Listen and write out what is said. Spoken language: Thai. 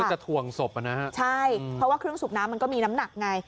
จะถ่วงศพอ่ะนะฮะใช่เพราะว่าเครื่องสูบน้ำมันก็มีน้ำหนักไง